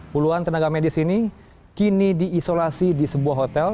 puluhan tenaga medis ini kini diisolasi di sebuah hotel